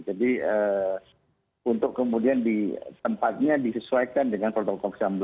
jadi untuk kemudian tempatnya disesuaikan dengan protokol covid sembilan belas